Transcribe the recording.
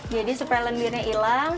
jadi supaya lendiannya hilang